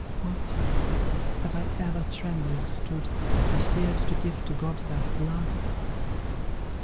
What! have I ever trembling stood, And feared to give to God that blood?